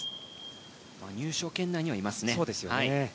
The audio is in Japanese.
入賞圏内にはいますね。